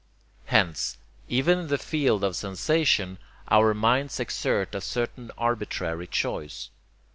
Hence, even in the field of sensation, our minds exert a certain arbitrary choice.